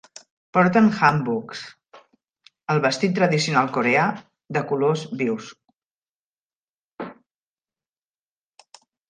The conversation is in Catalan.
Porten hanboks, el vestit tradicional coreà, de colors vius.